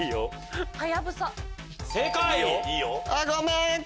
ごめん！